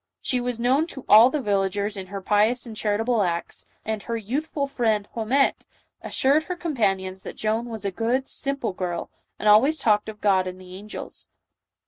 _ She was known to all the villagers in her pious and charitable acts, and her youthful friend Haumette assured her companions that Joan was a good, simple girl, and always talked of God and the angels.